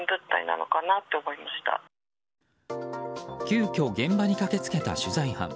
急きょ現場に駆け付けた取材班。